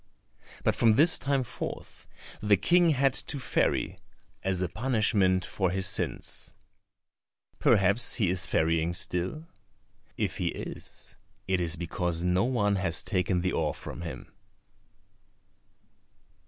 But from this time forth the King had to ferry, as a punishment for his sins. Perhaps he is ferrying still? If he is, it is because no one has taken the oar from him.